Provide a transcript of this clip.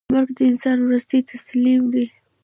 مرګ د انسان وروستۍ تسلیم ده.